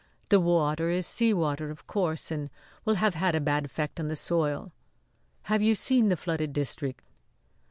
The water is sea water, of course, and will have a bad effect on the soil. Have you seen the flooded district?"